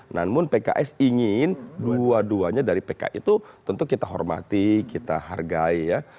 namun pks ingin dua duanya dari pki itu tentu kita hormati kita hargai ya